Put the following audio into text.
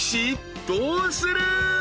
どうする？］